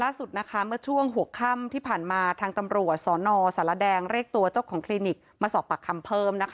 เมื่อช่วงหัวค่ำที่ผ่านมาทางตำรวจสนสารแดงเรียกตัวเจ้าของคลินิกมาสอบปากคำเพิ่มนะคะ